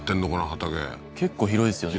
畑結構広いですよね